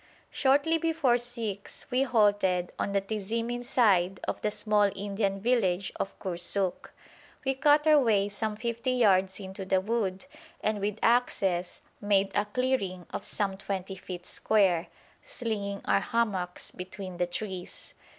Shortly before six we halted on the Tizimin side of the small Indian village of Cursuc. We cut our way some fifty yards into the wood and with axes made a clearing of some twenty feet square, slinging our hammocks between the trees.